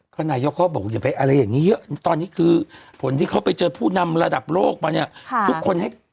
ก็นายกก็บอกอย่าไปอะไรอย่างนี้ตอนนี้คือผลที่เขาไปเจอผู้นำระดับโลกมาเนี่ย